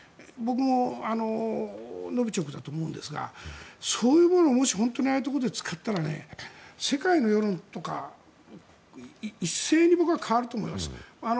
僕もノビチョクだと思うんですがそういうものをもし、本当にああいうところで使ったら世界の世論とか一斉に僕は変わると思います。